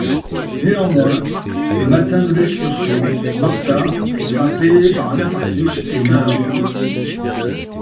Néanmoins, le matin de l'excursion, Marta est frappée par un infarctus et meurt.